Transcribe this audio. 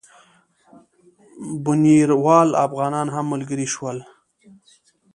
بُنیروال افغانان هم ملګري شول.